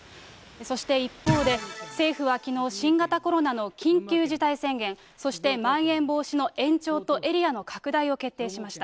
そして一方で、政府はきのう、新型コロナの緊急事態宣言、そしてまん延防止の延長とエリアの拡大を決定しました。